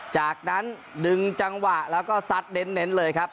จากนั้นดึงจังหวะแล้วก็ซัดเน้นเลยครับ